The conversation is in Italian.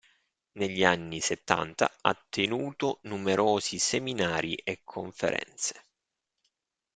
Negli anni settanta ha tenuto numerosi seminari e conferenze.